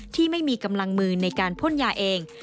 ที่ไม่มีกำลังมือในการพ่นยาเอง